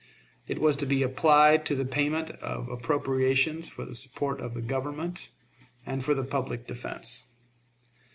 It was to be applied to the payment of appropriations for the support of the Government, and for the public defense.